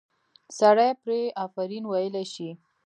سړی پرې آفرین ویلی شي.